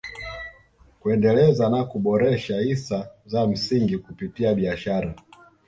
Kuendeleza na kuboresha hisa za msingi kupitia biashara